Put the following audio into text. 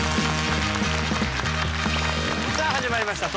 さあ始まりました